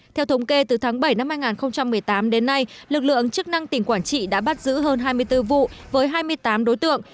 theo thống kê từ tháng bảy năm hai nghìn một mươi tám đến nay lực lượng chức năng tỉnh quảng trị đã bắt giữ hơn hai mươi bốn vụ với hai mươi tám đối tượng